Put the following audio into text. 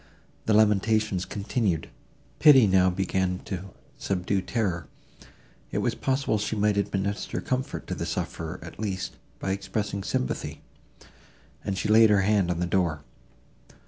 The lamentations continued. Pity now began to subdue terror; it was possible she might administer comfort to the sufferer, at least, by expressing sympathy, and she laid her hand on the door.